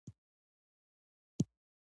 استمراري ماضي روان حالت روښانه کوي.